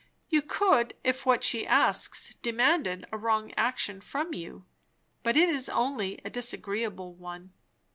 You could, if what she asks demanded a wrong action from you; but it is only a disagreeable one."